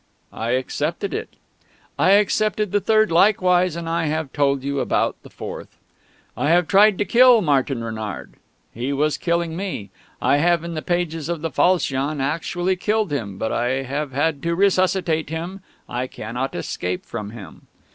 I accepted it. I accepted the third likewise; and I have told you about the fourth.... I have tried to kill Martin Renard. He was killing me. I have, in the pages of the Falchion, actually killed him; but I have had to resuscitate him. I cannot escape from him....